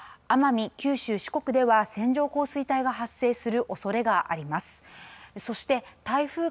奄美、九州、四国では線状降水帯が発生するおそれがあります。